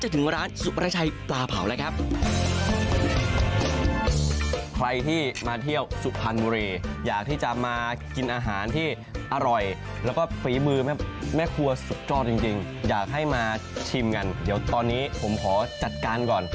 เดี๋ยวตอนนี้ผมขอจัดการก่อน